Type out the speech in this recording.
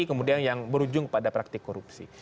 kemudian yang berujung pada praktik korupsi